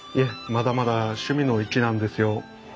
まだまだ趣味の域なんですよ。